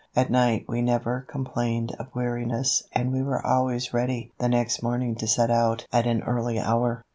At night we never complained of weariness and we were always ready the next morning to set out at an early hour.